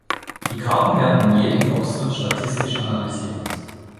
Die Karten werden in jedem Voxel statistisch analysiert.